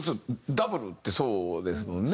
ダブルってそうですもんね。